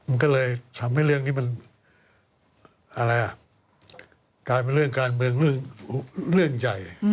มันก็เลยทำให้เรื่องนี้มันอะไรอ่ะกลายเป็นเรื่องการเมืองเรื่องใหญ่